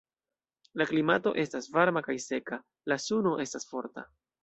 La klimato estas varma kaj seka; la suno estas forta.